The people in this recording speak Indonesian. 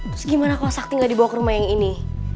terus gimana kalau sakti gak dibawa ke rumah yang ini